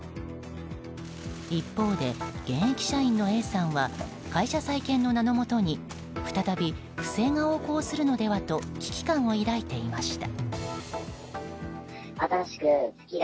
一方で現役社員のＡさんは会社再建の名のもとに再び不正が横行するのではと危機感を抱いていました。